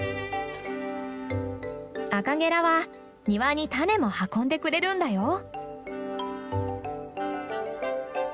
アカゲラは庭に種も運んでくれるんだよ。